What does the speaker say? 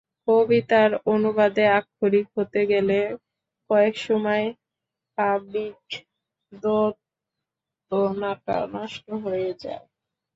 কবিতার অনুবাদে আক্ষরিক হতে গেলে অনেক সময় কাব্যিক দ্যোতনাটা নষ্ট হয়ে যায়।